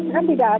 kan tidak atur